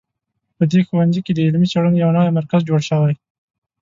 په دې ښوونځي کې د علمي څېړنو یو نوی مرکز جوړ شوی